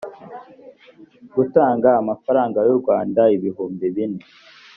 gutanga amafaranga y u rwanda ibihumbi bine